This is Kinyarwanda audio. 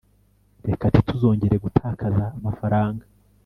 reka ntituzongere gutakaza amafaranga